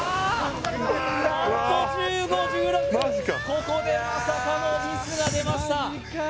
ここでまさかのミスが出ました